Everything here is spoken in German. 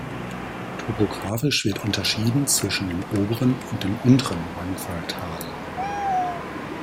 Topografisch wird unterschieden zwischen dem oberen und dem unteren Mangfalltal.